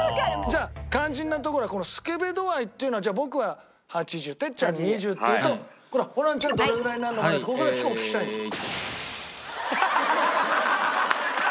じゃあ肝心なところはこのスケベ度合いっていうのは僕は８０哲ちゃん２０っていうとこれはホランちゃんはどれぐらいになるのかここだけお聞きしたいんです。